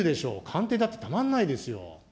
官邸だって、たまんないですよ。